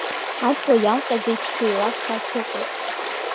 Аҵла иалҟьаз иеиԥш сеилаххаа сыҟоуп.